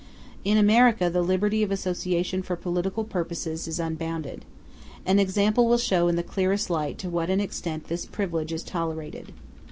In America the liberty of association for political purposes is unbounded. An example will show in the clearest light to what an extent this privilege is tolerated.